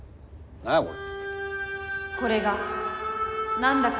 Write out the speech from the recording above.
何やこれ？